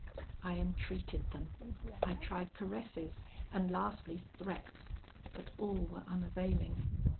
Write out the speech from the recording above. I entreated them; I tried caresses, and lastly threats; but all were unavailing.